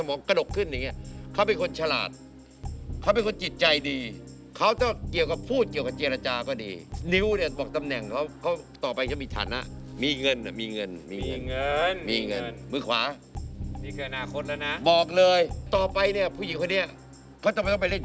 มือซ้ายเนี่ยบอกเลยเขาเป็นคนฉลาด